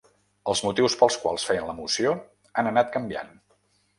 Els motius pels quals feien la moció han anat canviant.